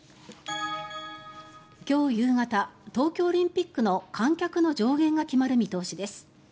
今日夕方、東京オリンピックの観客の上限が決まる見通しです。